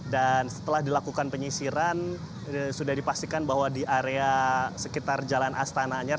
dan setelah dilakukan penyisiran sudah dipastikan bahwa di area sekitar jalan astana anyar